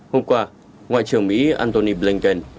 hôm qua ngoại trưởng mỹ antony blinken